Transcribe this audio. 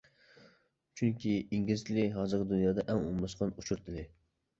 چۈنكى ئىنگلىز تىلى ھازىرقى دۇنيادا ئەڭ ئومۇملاشقان ئۇچۇر تىلى.